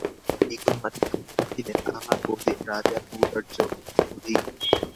বিক্রমাদিত্য উত্তর দিলেন আমার বোধে রাজার ঔদার্য অধিক।